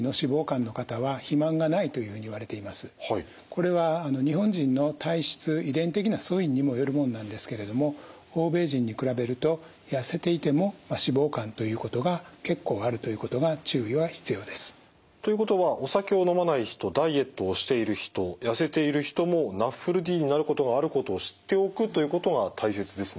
これは日本人の体質遺伝的な素因にもよるものなんですけれども欧米人に比べると痩せていても脂肪肝ということが結構あるということが注意は必要です。ということはお酒を飲まない人ダイエットをしている人痩せている人もＮＡＦＬＤになることがあることを知っておくということが大切ですね。